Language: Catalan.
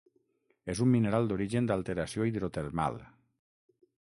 És un mineral d'origen d'alteració hidrotermal.